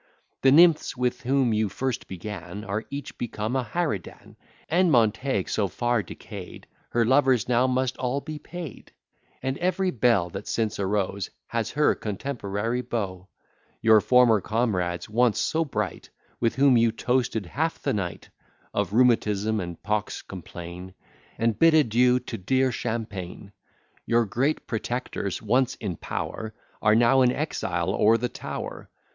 The nymphs, with whom you first began, Are each become a harridan; And Montague so far decay'd, Her lovers now must all be paid; And every belle that since arose, Has her contemporary beaux. Your former comrades, once so bright, With whom you toasted half the night, Of rheumatism and pox complain, And bid adieu to dear champaign. Your great protectors, once in power, Are now in exile or the Tower.